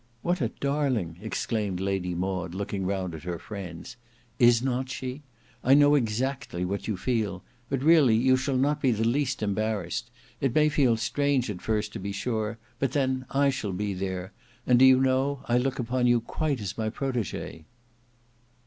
"What a darling!" exclaimed Lady Maud looking round at her friends. "Is not she? I know exactly what you feel. But really you shall not be the least embarrassed. It may feel strange at first, to be sure, but then I shall be there; and do you know I look upon you quite as my protege."